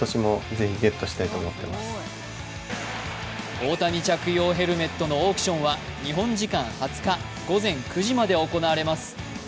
大谷着用ヘルメットのオークションは日本時間２０日午前９時まで行われます。